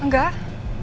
tunggu apa sah